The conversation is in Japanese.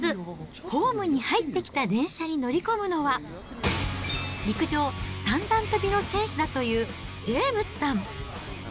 ホームに入ってきた電車に乗り込むのは、陸上、三段跳びの選手だというジェームスさん。